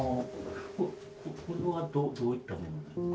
これはどういったものですか？